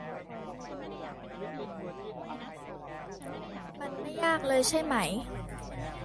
มันไม่ได้ยากเลย ใช่ไหม